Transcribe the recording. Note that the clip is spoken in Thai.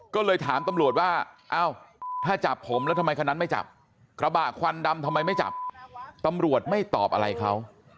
ก็เลยถามตำรวจว่า